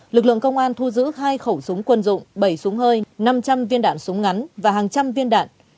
lực lượng công an thu giữ hai khẩu súng quân dụng bảy súng hơi năm trăm linh viên đạn súng ngắn và hàng trăm viên đạn